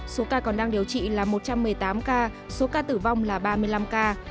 số ca còn đang điều trị là một trăm một mươi tám ca số ca tử vong là ba mươi năm ca